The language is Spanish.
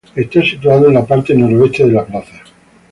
Está ubicado en la parte noroeste de la plaza.